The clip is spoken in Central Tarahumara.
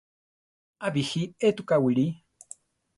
A bíji étuka wili.